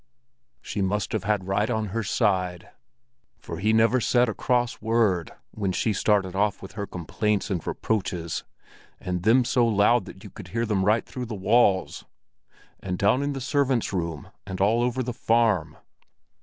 XV "She must have had right on her side, for he never said a cross word when she started off with her complaints and reproaches, and them so loud that you could hear them right through the walls and down in the servants' room and all over the farm.